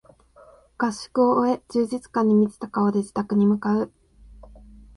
合宿を終え充実感に満ちた顔で自宅に向かう